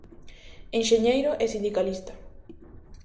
Enxeñeiro e sindicalista.